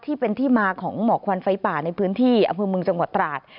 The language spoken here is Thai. ที่เป็นที่มาของหมอกควันไฟป่าในพื้นที่อำเภอเมืองจังหวัดตราด